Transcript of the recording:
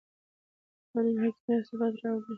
د قانون حاکمیت ثبات راولي